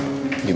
terima kasih om